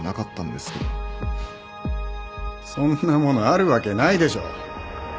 そんなものあるわけないでしょう。